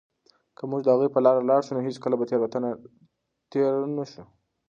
که موږ د هغوی په لاره لاړ شو، نو هېڅکله به تېرو نه شو.